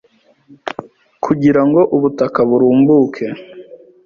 Kugira ngo ubutaka burumbuke,